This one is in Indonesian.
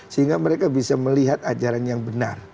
sehingga mereka bisa melihat ajaran yang benar